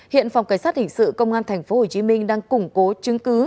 hiện phòng cảnh sát hình sự công an tp hcm đang củng cố chứng cứ